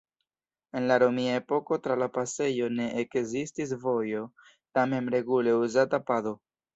En la romia epoko tra la pasejo ne ekzistis vojo, tamen regule uzata pado.